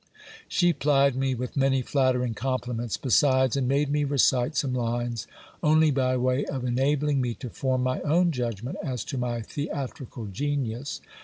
She plied me with many flattering compliments besides ; and made me recite some lines, only by way of enabling me to form my own judgment as to my theatrical genius.